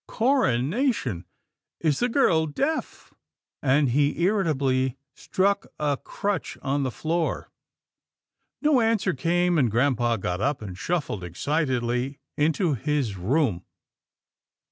— Coronation! is the girl deaf?" and he ir ritably struck a crutch on the floor. No answer came, and grampa got up and shuffled excitedly into his room.